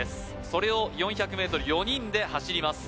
それを４００ｍ４人で走ります